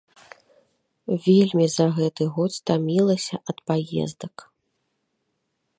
Вельмі за гэты год стамілася ад паездак.